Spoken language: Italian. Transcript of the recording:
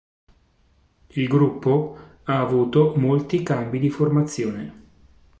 Il gruppo ha avuto molti cambi di formazione.